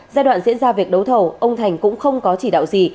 giai đoạn diễn ra việc đấu thầu ông thành cũng không có chỉ đạo gì